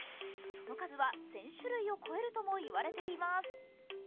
その数は１０００種類を超えるともいわれています。